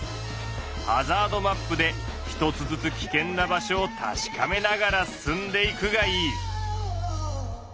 ハザードマップで一つずつ危険な場所をたしかめながら進んでいくがいい！